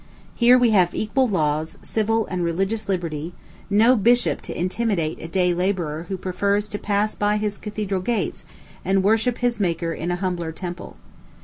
Here we have equal laws, civil and religious liberty, no bishop to intimidate a day laborer who prefers to pass by his cathedral gates and worship his Maker in a humbler temple.